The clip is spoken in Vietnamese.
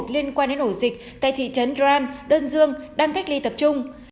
liên quan đến ổ dịch tại thị trấn gran đơn dương đang cách ly tập trung